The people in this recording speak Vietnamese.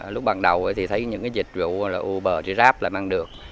lúc bắt đầu thì thấy những dịch vụ uber grab lại mang được